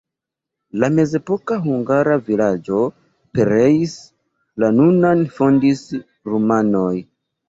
La mezepoka hungara vilaĝo pereis, la nunan fondis rumanoj.